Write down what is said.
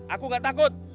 aku enggak takut